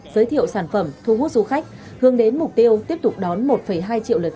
giới thiệu sản phẩm thu hút du khách hướng đến mục tiêu tiếp tục đón một hai triệu lượt khách trong sáu tháng cuối năm